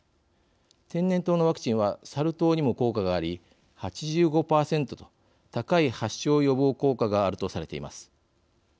天然痘のワクチンはサル痘にも効果があり８５％と高い発症予防効果があるとされています。